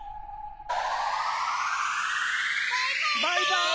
バイバーイ！